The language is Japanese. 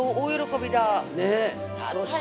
そして。